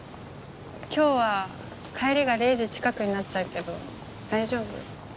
今日は帰りが０時近くになっちゃうけど大丈夫？